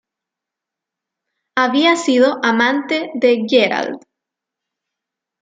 Había sido amante de Gerald.